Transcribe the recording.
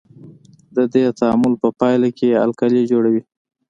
د دې تعامل په پایله کې القلي جوړوي.